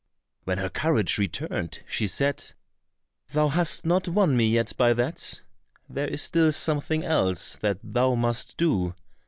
When her courage returned she said, "Thou hast not won me yet by that; there is still something else that thou must do.